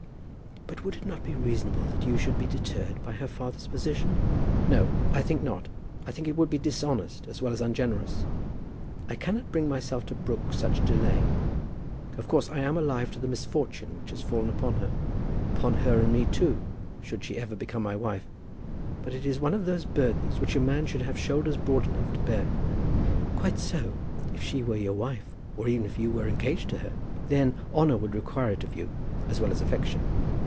"But would it not be reasonable that you should be deterred by her father's position?" "No, I think not. I think it would be dishonest as well as ungenerous. I cannot bring myself to brook such delay. Of course I am alive to the misfortune which has fallen upon her, upon her and me, too, should she ever become my wife. But it is one of those burdens which a man should have shoulders broad enough to bear." "Quite so, if she were your wife, or even if you were engaged to her. Then honour would require it of you, as well as affection.